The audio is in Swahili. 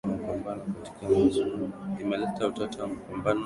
limeleta utata na mapambano katika majimbo kadhaa